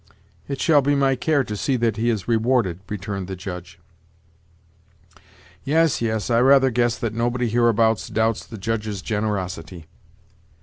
"It shall be my care to see that he is rewarded," returned the Judge. "Yes, yes, I rather guess that nobody hereabouts doubts the Judge's generosity.